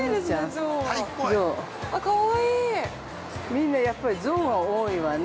◆みんなやっぱりゾウが多いわね。